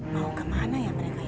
mau ke mana ya mereka yang